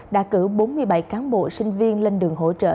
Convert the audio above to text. đã cử bốn mươi bảy cán bộ sinh viên lên đường hỗ trợ